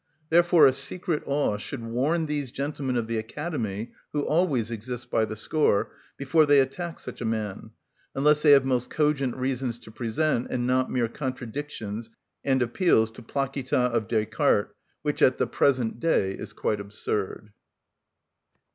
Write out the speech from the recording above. Therefore a secret awe should warn these gentlemen of the Academy (who always exist by the score) before they attack such a man,—unless they have most cogent reasons to present, and not mere contradictions and appeals to placita of Descartes, which at the present day is quite absurd.